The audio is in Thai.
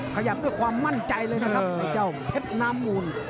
ขยับด้วยความมั่นใจเลยนะครับไอ้เจ้าเพชรน้ำมูล